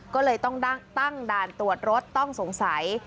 ก็เลยต้องตั้งด่านตรวจรถต้องสงสัย